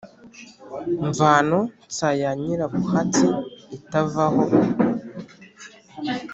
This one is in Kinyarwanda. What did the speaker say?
mvano-nsa ya nyirabuhatsi itavaho,